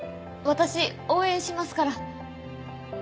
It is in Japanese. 私応援しますから。